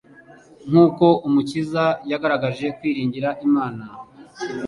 Nkuko Umukiza yagaragaje kwiringira Imana,